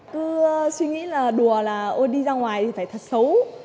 cứ suy nghĩ là đùa là ô đi ra ngoài thì phải thật xấu